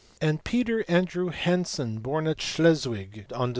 And Peter Andrew Hansen, born in Schleswig on Dec.